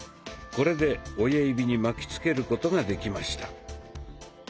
これで親指に巻きつけることができました。